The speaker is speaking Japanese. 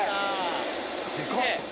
でかっ。